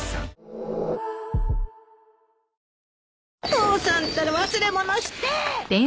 父さんたら忘れ物して！